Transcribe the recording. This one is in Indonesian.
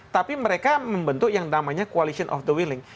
tapi mereka membentuk yang namanya coalition of the willing